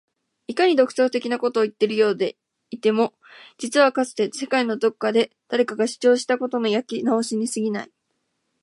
いかに独創的なことを言っているようでいても実はかつて世界のどこかで誰かが主張したことの焼き直しに過ぎない